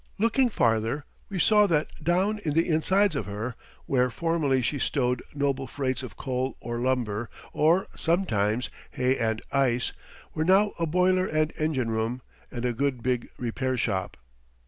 Looking farther, we saw that down in the insides of her where formerly she stowed noble freights of coal or lumber or, sometimes, hay and ice were now a boiler and engine room, and a good, big repair shop.